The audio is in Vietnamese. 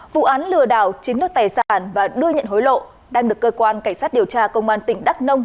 vụ án lừa đảo chiếm đất tài sản và đưa nhận hối lộ đang được cơ quan cảnh sát điều tra công an tỉnh đắk nông